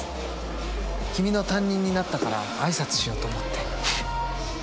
君の担任になったから挨拶しようと思って。